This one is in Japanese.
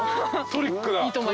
トリックだ。